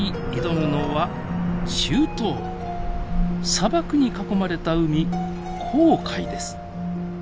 砂漠に囲まれた海紅海です。